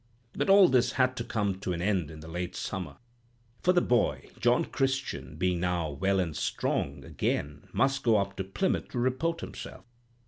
"But all this had to come to an end in the late summer, for the boy, John Christian, being now well and strong again, must go up to Plymouth to report himself.